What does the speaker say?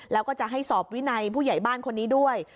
แล้วก็จะให้สอบวินัยผู้ใหญ่บ้านคนนี้ด้วย